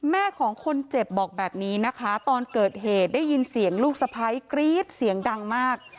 แม่ของคนเจ็บบอกแบบนี้นะคะตอนเกิดเหตุได้ยินเสียงลูกสะพ้ายกรี๊ดเสียงดังมาก